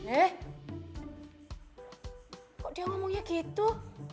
eh kok dia ngomongnya gitu